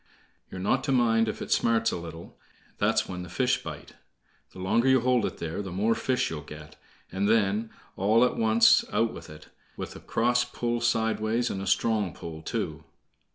You're not to mind if it smarts a little; that's when the fish bite. The longer you hold it there, the more fish you'll get; and then all at once out with it, with a cross pull sideways and a strong pull, too."